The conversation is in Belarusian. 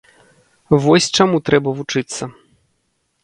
Вось чаму трэба вучыцца!